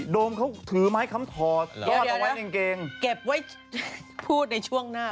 เดี๋ยวเก็บไว้พูดในช่วงหน้า